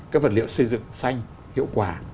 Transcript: cái vật liệu xây dựng xanh hiệu quả